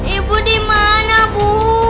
ibu di mana bu